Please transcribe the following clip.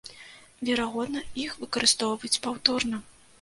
Верагодна, іх выкарыстоўваюць паўторна.